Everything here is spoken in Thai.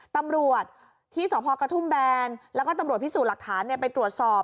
ตำรวจที่สพกระทุ่มแบนแล้วก็ตำรวจพิสูจน์หลักฐานไปตรวจสอบ